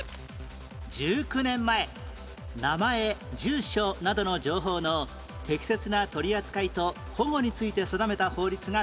１９年前名前住所などの情報の適切な取り扱いと保護について定めた法律が成立